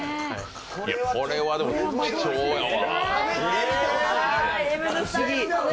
これは貴重やわ。